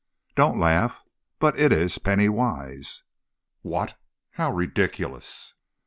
"Don't laugh, but it is Penny Wise!" "What? How ridiculous!"